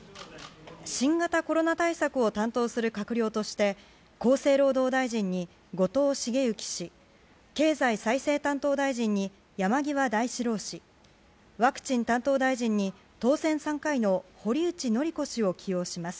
新型コロナ対策を担当する閣僚として厚生労働大臣に後藤茂之氏経済再生担当大臣に山際大志郎氏ワクチン担当大臣に、当選３回の堀内詔子氏を起用します。